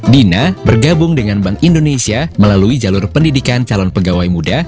dina bergabung dengan bank indonesia melalui jalur pendidikan calon pegawai muda